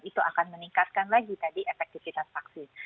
itu akan meningkatkan lagi tadi efektivitas vaksin